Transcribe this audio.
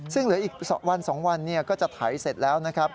ซึ่งเหลืออีกวัน๒วันก็จะไถเสร็จแล้วนะครับ